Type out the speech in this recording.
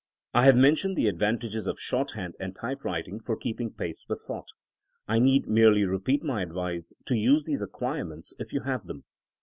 I have mentioned the advantages of shorthand and typewriting for keeping pace with thought. I need merely repeat my advice to use these ac quirements if you have them.